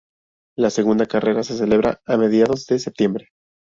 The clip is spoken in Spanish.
La segunda carrera se celebra a mediados de septiembre.